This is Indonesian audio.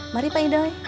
mari pak idoy